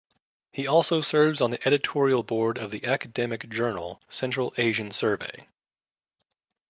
He also serves on the editorial board of the academic journal Central Asian Survey.